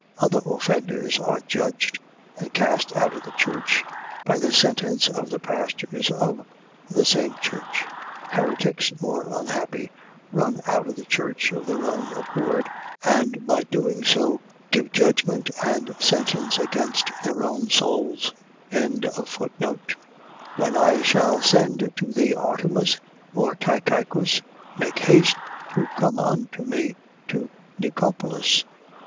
. .Other offenders are judged, and cast out of the church, by the sentence of the pastors of the same church. Heretics, more unhappy, run out of the church of their own accord, and by doing so, give judgment and sentence against their own souls. 3:12. When I shall send to thee Artemas or Tychicus, make haste to come unto me to Nicopolis.